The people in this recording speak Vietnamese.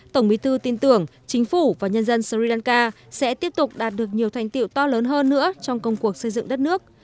tổng bí thư tin tưởng chính phủ và nhân dân sri lanka sẽ tiếp tục đạt được nhiều thành tiệu to lớn hơn nữa trong công cuộc xây dựng đất nước